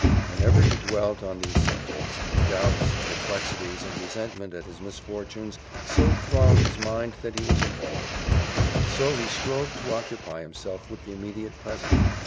Whenever he dwelt on these subjects, doubts, perplexities, and resentment at his misfortunes so thronged his mind that he was appalled; so he strove to occupy himself with the immediate present.